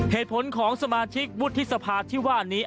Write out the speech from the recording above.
เหตุผลของสมาชิกวุฒิสภาที่ว่านี้